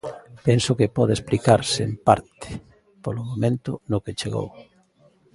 Penso que pode explicarse, en parte, polo momento no que chegou.